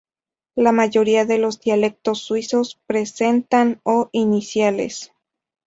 La mayoría de los dialectos suizos presentan o iniciales.